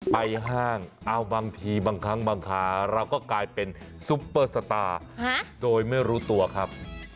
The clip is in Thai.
ห้างเอาบางทีบางครั้งบางคาเราก็กลายเป็นซุปเปอร์สตาร์โดยไม่รู้ตัวครับ